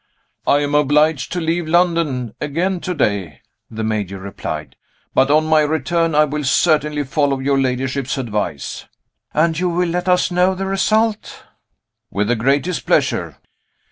"I am obliged to leave London again to day," the Major replied; "but on my return I will certainly follow your ladyship's advice." "And you will let us know the result?" "With the greatest pleasure."